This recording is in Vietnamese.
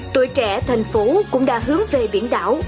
tuổi trẻ thành phố cũng đã hướng về biển đảo